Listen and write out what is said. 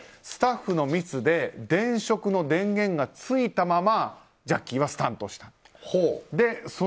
スタッフのミスで電飾の電源が付いたままジャッキーはスタントした。